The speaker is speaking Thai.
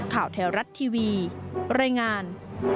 แถวรัฐทีวีรายงาน